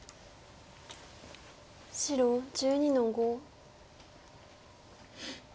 白１２の五。